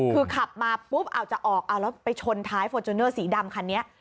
คือขับมาปุ๊บเอาจะออกเอาแล้วไปชนท้ายฟอร์จูเนอร์สีดำคันนี้